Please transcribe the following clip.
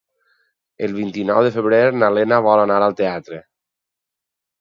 El vint-i-nou de febrer na Lena vol anar al teatre.